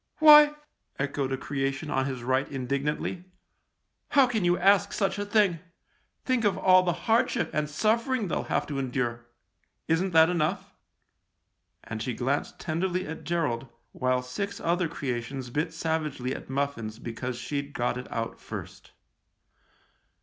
" Why !" echoed a creation on his right indignantly. " How can you ask such a thing ? Think of all the hardship and suffer ing they'll have to endure. Isn't that enough ?" and she glanced tenderly at Gerald, while six other creations bit savagely at muffins because she'd got it out first.